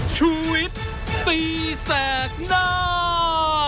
ชูเวทตีแสดหน้า